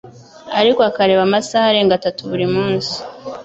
ariko akareba amasaha arenga atatu buri munsi.